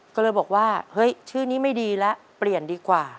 ก็เลยบอกว่าเฮ้ยชื่อนี้ไม่ดีแล้วเปลี่ยนดีกว่า